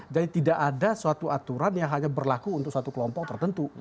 jadi tidak ada suatu aturan yang hanya berlaku untuk satu kelompok tertentu